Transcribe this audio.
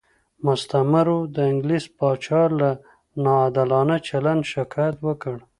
مستعمرو د انګلیس پاچا له ناعادلانه چلند شکایت وکړ.